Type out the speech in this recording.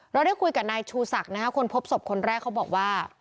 ได้คุยกับนายชูศักดิ์นะฮะคนพบศพคนแรกเขาบอกว่า